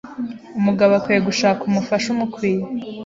Umugabo akwiye gushaka umufasha umukwiye